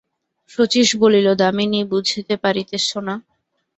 শচীশ বলিল, দামিনী, বুঝিতে পারিতেছ না?